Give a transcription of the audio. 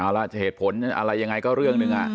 เอาล่ะเหตุผลอะไรยังไงก็เรื่องหนึ่ง